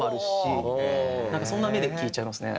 なんかそんな目で聴いちゃいますね。